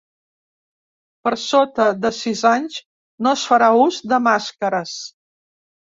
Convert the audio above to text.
Per sota de sis anys, no es farà ús de màscares.